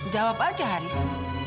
jawab aja haris